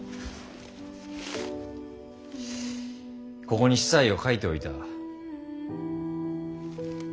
ここに子細を書いておいた。